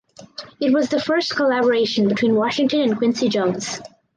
It was the first collaboration between Washington and Quincy Jones.